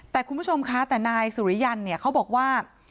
แต่คุณผู้ชมคะแต่นายสุริยันเนี่ยเขาบอกว่า